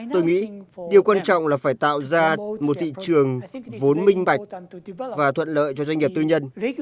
tôi nghĩ điều quan trọng là phải tạo ra một thị trường vốn minh bạch và thuận lợi cho doanh nghiệp tư nhân